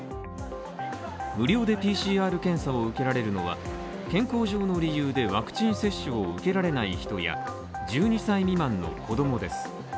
無料でＰＣＲ検査を受けられるのは健康上の理由でワクチン接種を受けられない人や、１２歳未満の子供です。